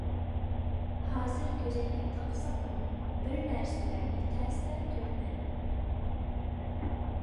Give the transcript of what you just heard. ھازىر كۆزئەينەك تاقىساممۇ بىر نەرسىلەرنى تەستە كۆرىمەن.